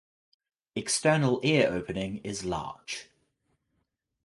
External ear opening is large.